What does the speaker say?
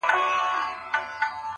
زما په شان سي څوک آواز پورته کولای-